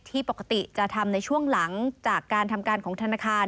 ปกติจะทำในช่วงหลังจากการทำการของธนาคาร